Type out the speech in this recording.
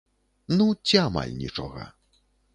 Ну, ці амаль нічога.